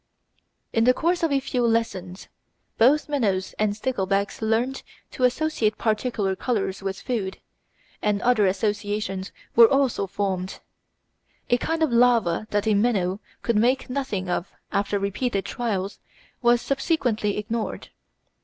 In the course of a few lessons, both minnows and sticklebacks learned to associate particular colours with food, and other associations were also formed. A kind of larva that a minnow could make nothing of after repeated trials was subsequently ignored.